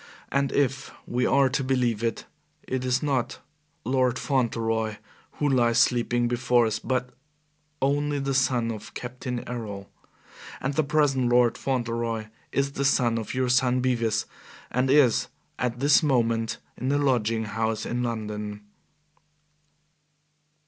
And if we are to believe it it is not Lord Fauntleroy who lies sleeping before us, but only the son of Captain Errol. And the present Lord Fauntleroy is the son of your son Bevis, and is at this moment in a lodging house in London."